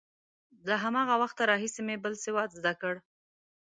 له هماغه وخته راهیسې مې بل سواد زده کړ.